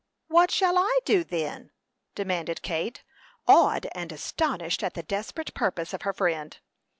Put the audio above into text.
"What shall I do, then?" demanded Kate, awed and astonished at the desperate purpose of her friend.